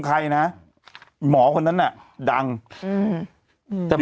สวัสดีครับคุณผู้ชม